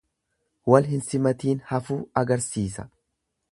Wal hin simatiin hafuu agarsiisa.